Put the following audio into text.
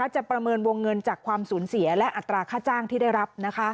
ประเมินวงเงินจากความสูญเสียและอัตราค่าจ้างที่ได้รับ